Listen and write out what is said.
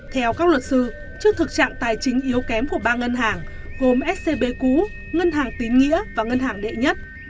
theo các luật sư trước thực trạng tài chính yếu kém của ba ngân hàng gồm scb cũ ngân hàng tín nghĩa và ngân hàng đệ nhất